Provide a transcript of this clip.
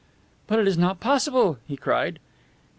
"But it is not possible!" he cried.